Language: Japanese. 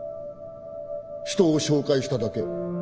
「人を紹介しただけ」